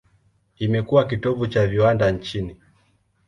Imekuwa kitovu cha viwanda nchini.